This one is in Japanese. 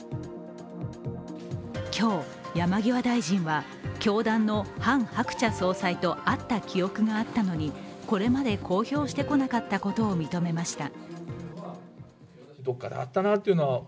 今日、山際大臣は教団のハン・ハクチャ総裁と会った記憶があったのにこれまで公表してこなかったことを認めました。